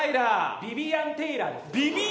ビビアン・テイラー！？